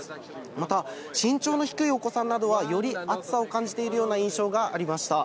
また身長の低いお子さんなどは、より暑さを感じているような印象がありました。